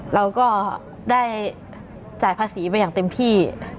เราก็ได้จ่ายภาษีไปอย่างเต็มที่